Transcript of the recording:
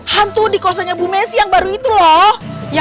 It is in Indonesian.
hantu di kosan ibu messi yang baru itu loh